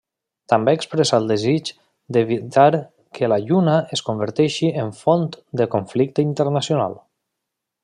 També expressa el desig d'evitar que la Lluna es converteixi en font de conflicte internacional.